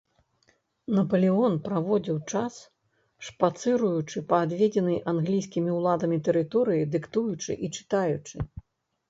Напалеон праводзіў час, шпацыруючы па адведзенай англійскімі ўладамі тэрыторыі, дыктуючы і чытаючы.